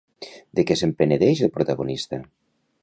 De què se'n penedeix el protagonista?